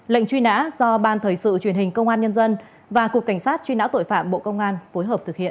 lệnh truy nã do ban thời sự truyền hình công an nhân dân và cục cảnh sát truy nã tội phạm bộ công an phối hợp thực hiện